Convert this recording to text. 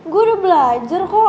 gue udah belajar kok